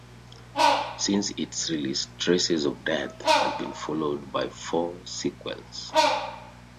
Since its release, "Traces of Death" has been followed by four sequels.